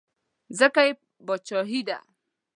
ځکه یې باچایي ده.